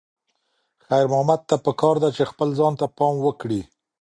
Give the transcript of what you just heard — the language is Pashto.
خیر محمد ته پکار ده چې خپل ځان ته پام وکړي.